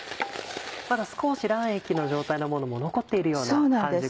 まだ少し卵液の状態のものも残っているような半熟の。